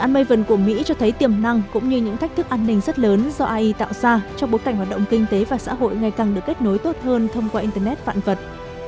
maven của mỹ cho thấy tiềm năng cũng như những thách thức an ninh rất lớn do ai tạo ra trong bối cảnh hoạt động kinh tế và xã hội ngày càng được kết nối tốt hơn thông qua internet vạn vật